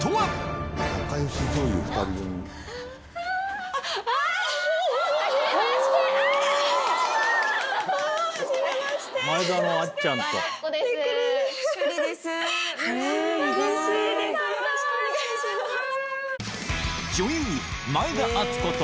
よろしくお願いします。